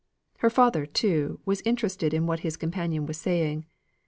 Her father, too, was interested in what his companion was saying.